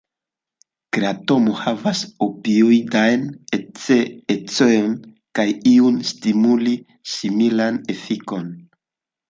Kratomo havas opioidajn ecojn kaj iujn stimulil-similajn efikojn.